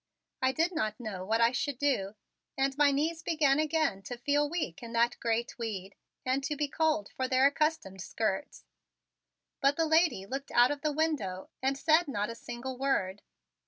I did not know what I should do, and my knees began again to feel weak in that gray tweed and to be cold for their accustomed skirts, but the lady looked out of the window and said not a single word.